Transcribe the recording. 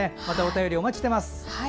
またお便り、お待ちしています。